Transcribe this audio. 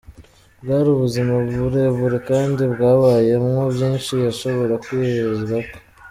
Bwari ubuzima bure bure kandi bwabayemwo vyinshi yashobora kwihwezako.